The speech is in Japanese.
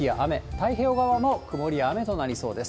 太平洋側も曇りや雨となりそうです。